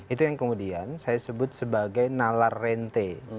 itu yang kemudian saya sebut sebagai nalar rente